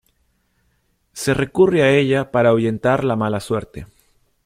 Se recurre a ella para ahuyentar la mala suerte.